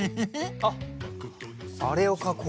あっあれをかこう。